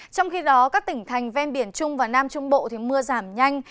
trong khi đó các tỉnh thành ven biển trung và nam trung bộ thì mưa giảm nhanh